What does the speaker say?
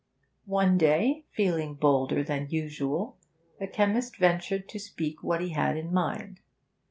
One day, feeling bolder than usual the chemist ventured to speak what he had in mind.